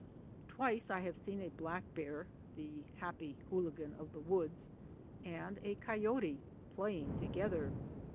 Twice I have seen a black bear, "The Happy Hooligan of the Woods," and a coyote playing to gether.